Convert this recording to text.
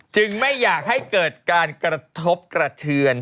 ไม่อยากให้เกิดการกระทบกระเทือน